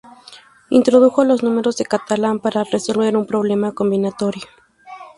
Introdujo los números de Catalan para resolver un problema combinatorio.